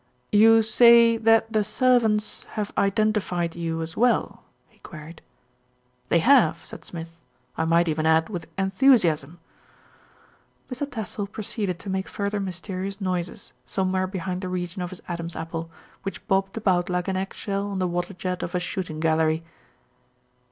"You say that the servants have identified you as well?" he queried. "They have," said Smith, "I might even add with enthusiasm." Mr. Tassell proceeded to make further mysterious noises somewhere behind the region of his Adam's apple, which bobbed about like an egg shell on the water jet of a shooting gallery.